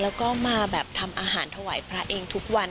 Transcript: แล้วก็มาแบบทำอาหารถวายพระเองทุกวัน